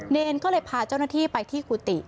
เนรก็เลยพาเจ้าหน้าที่ไปที่กุฏิ